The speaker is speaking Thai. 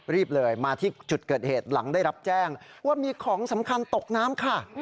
รีบเลยมาที่จุดเกิดเหตุหลังได้รับแจ้งว่ามีของสำคัญตกน้ำค่ะ